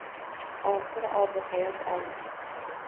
oxir obihayot oldi